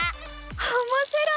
おもしろい！